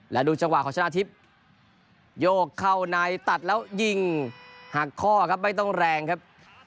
และดูจังหวะของชนะทิพย์โยกเข้าในตัดแล้วยิงหักข้อครับไม่ต้องแรงครับ